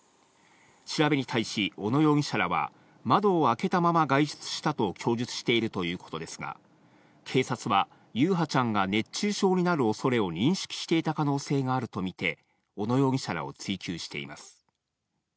調べに対し小野容疑者らは、窓を開けたまま外出したと供述しているということですが、警察は、優陽ちゃんが熱中症になるおそれを認識していた可能性があると見て、小野容疑者らを追及しています。